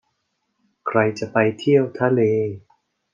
ใครจะไปเที่ยวทะเล